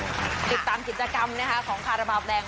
ติดตามกิจกรรมเนี้ยฮะของฆาตาบาลแดง